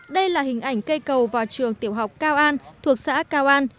đây là hình ảnh cây cầu vào trường tiểu học cao an thuộc xã cao an